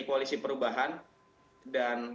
koalisi perubahan dan